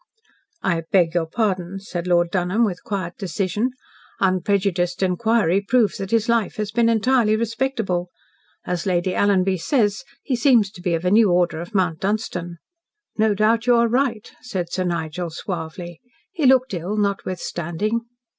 "I beg your pardon," said Lord Dunholm, with quiet decision. "Unprejudiced inquiry proves that his life has been entirely respectable. As Lady Alanby says, he seems to be of a new order of Mount Dunstan." "No doubt you are right," said Sir Nigel suavely. "He looked ill, notwithstanding."